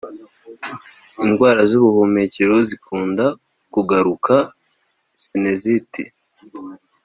Indwara z’ubuhumekero zikunda kugaruka (sinizite